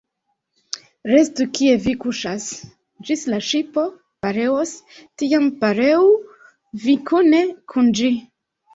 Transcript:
Restu, kie vi kuŝas, ĝis la ŝipo pereos; tiam, pereu vi kune kun ĝi.